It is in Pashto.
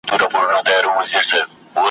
وئيل يې روغ عالم ﺯمونږ په درد کله خبريږي ,